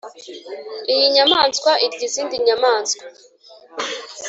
Iyi nyamaswa irya izindi nyamaswa